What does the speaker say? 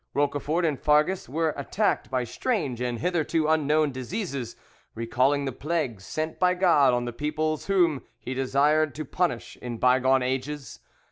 Roquefort and Farges were attacked by strange and hitherto unknown diseases, recalling the plagues sent by God on the peoples whom He desired to punish in bygone ages.